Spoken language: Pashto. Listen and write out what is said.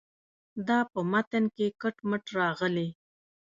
دا په متن کې کټ مټ راغلې.